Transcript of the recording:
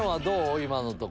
今のとこ。